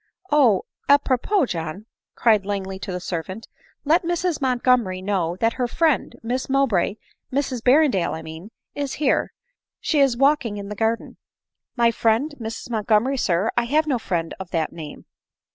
" Oh ! a propos, John," cried Langley to the servant, " let Mrs Montgomery know that her friend* Miss Mow bray, Mrs Berrendale I mean, is here — she is walking in the garden." " My friend Mrs Montgomery, sir ! I have no friend of that name."